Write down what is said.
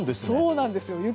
そうなんですよ。